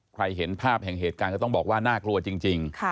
เห็นภาพแห่งเหตุการณ์ก็ต้องบอกว่าน่ากลัวจริง